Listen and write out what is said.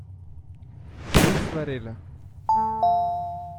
Luis Varela